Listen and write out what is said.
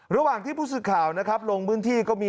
ระหว่างที่ผู้สื่อข่าวนะครับลงพื้นที่ก็มี